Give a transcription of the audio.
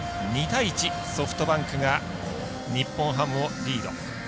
２対１、ソフトバンクが日本ハムをリード。